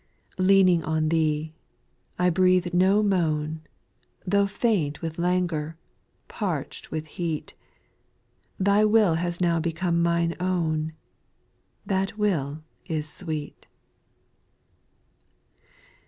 8. Leaning on Thee, I breathe no moan, Though faint with languor, parch'd with heat; Thy will has now become my own — That will is sweet.